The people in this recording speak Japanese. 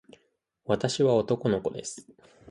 私は男の子です。